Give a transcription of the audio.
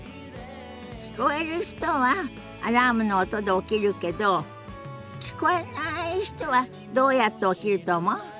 聞こえる人はアラームの音で起きるけど聞こえない人はどうやって起きると思う？